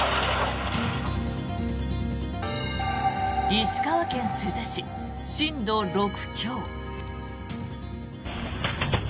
石川県珠洲市、震度６強。